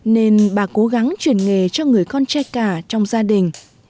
nên bà cố gắng chuyển nghề cho người con trai cả trong gia đình